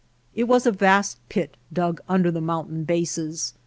It was a vast pit dug under the mountain bases.